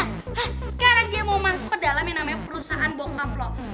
sekarang dia mau masuk ke dalam yang namanya perusahaan bokap loh